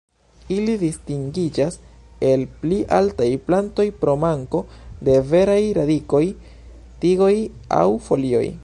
Ili distingiĝas el pli altaj plantoj pro manko de veraj radikoj, tigoj aŭ folioj.